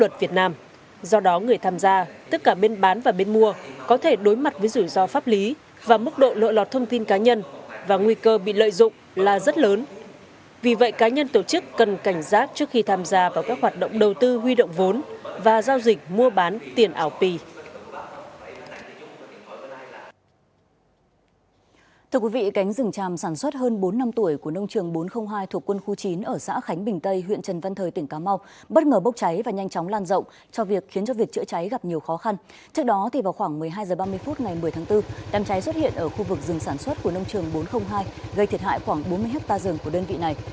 trong khoảng một mươi hai h ba mươi phút ngày một mươi tháng bốn đám cháy xuất hiện ở khu vực rừng sản xuất của nông trường bốn trăm linh hai gây thiệt hại khoảng bốn mươi hectare rừng của đơn vị này